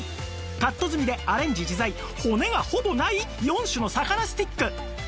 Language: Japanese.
カット済みでアレンジ自在骨がほぼない４種の魚スティック